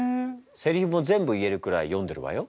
せりふも全部言えるくらい読んでるわよ。